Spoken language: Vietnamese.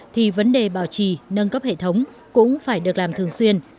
thì vấn đề bảo trì nâng cấp hệ thống cũng phải được làm thường xuyên